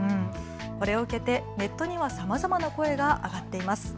これを受けてネットにはさまざまな声が上がっています。